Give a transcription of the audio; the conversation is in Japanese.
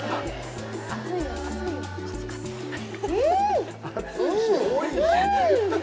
うん！